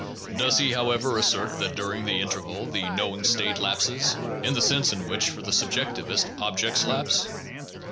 Does he, however, assert that during the inter val "the knowing state" lapses, in the sense in which for the sub jectivist objects lapse!